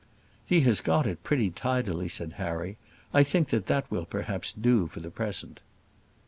"He has got it prettily tidily," said Harry; "I think that will perhaps do for the present."